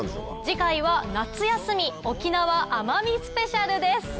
次回は「夏休み沖縄・奄美スペシャル」です。